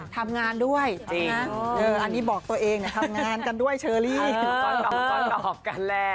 ทำงานด้วยจริงนะ